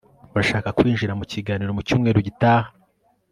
urashaka kwinjira mukiganiro mucyumweru gitaha